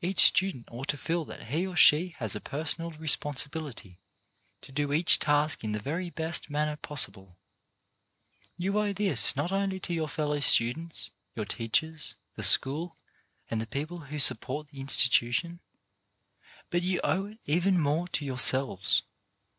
Each student ought to feel that he or she has a personal responsibility to do each task in the very best manner possible. You owe this not only to your fellow students, your teachers, the school, and the people who support the institu tion, but you owe it even more to yourselves.